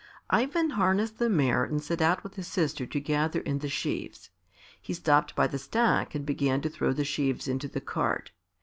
Ivan harnessed the mare and set out with his sister to gather in the sheaves. He stopped by the stack and began to throw the sheaves into the cart.